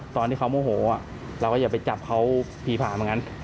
ตอนที่เขาโมโหเราก็อย่าไปจับเขาผีผ่าเหมือนกัน